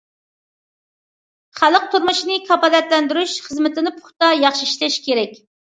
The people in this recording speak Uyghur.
خەلق تۇرمۇشىنى كاپالەتلەندۈرۈش خىزمىتىنى پۇختا، ياخشى ئىشلەش كېرەك.